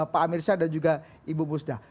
pak mirsya dan juga ibu musda